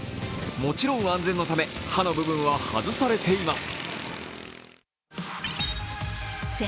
もちろん安全のため、刃の部分は外されています。